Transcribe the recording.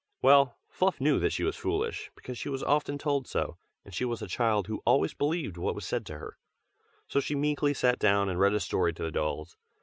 Well, Fluff knew that she was foolish, because she was often told so, and she was a child who always believed what was said to her, so she meekly sat down and read a story to the dolls.